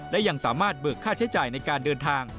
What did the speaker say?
และยังสามารถเบิกค่าใช้จ่ายในการเดินทาง